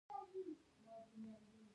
د کندهار په نیش کې د مرمرو نښې شته.